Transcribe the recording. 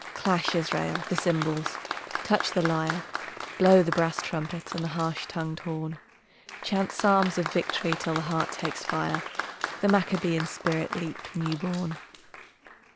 Clash, Israel, the cymbals, touch the lyre, Blow the brass trumpet and the harsh tongued horn; Chant psalms of victory till the heart takes fire, The Maccabean spirit leap new born.